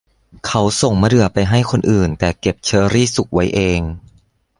เขาส่งมะเดื่อไปให้คนอื่นแต่เก็บเชอรี่สุกไว้เอง